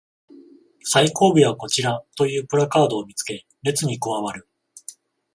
最後尾はこちらというプラカードを見つけ列に加わる